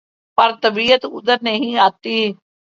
پر طبیعت ادھر نہیں آتی